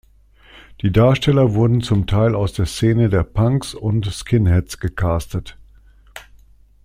Die Darsteller wurden zum Teil aus der Szene der Punks und Skinheads gecastet.